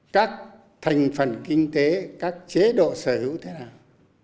các thành phần kinh tế các chế độ sở hữu thế nào